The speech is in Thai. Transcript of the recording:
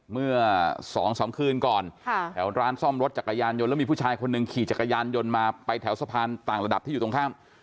เมื่อ๒๓คืนก่อนแถวร้านซ่อมรถจักรยานยนต์แล้วมีผู้ชายคนหนึ่งขี่จักรยานยนต์มาไปแถวสะพานต่างระดับที่อยู่ตรงข้าม